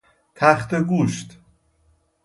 تخته گوشت